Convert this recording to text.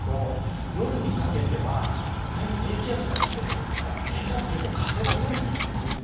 さらに動かしていくと夜にかけてはこの辺に低気圧があって沿岸部、結構風が強いです。